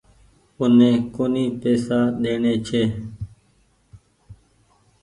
اوني ڪونيٚ پئيسا ڏيڻي ڇي۔